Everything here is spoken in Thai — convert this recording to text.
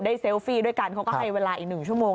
เซลฟี่ด้วยกันเขาก็ให้เวลาอีก๑ชั่วโมง